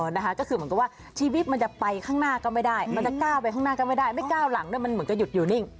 นะคะก็คือเหมือนกับว่าชีวิตมันจะไปข้างหน้าก็ไม่ได้มันจะก้าวไปข้างหน้าก็ไม่ได้ไม่ก้าวหลังด้วยมันเหมือนจะหยุดอยู่นิ่ง